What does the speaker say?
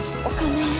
お金。